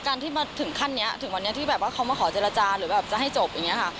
ที่มาถึงขั้นนี้ถึงวันนี้ที่แบบว่าเขามาขอเจรจาหรือแบบจะให้จบอย่างนี้ค่ะ